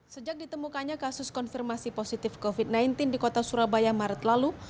sejak ditemukannya kasus konfirmasi positif covid sembilan belas di kota surabaya maret lalu